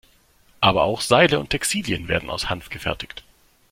Aber auch Seile und Textilien werden aus Hanf gefertigt.